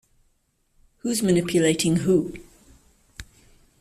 Who's manipulating who?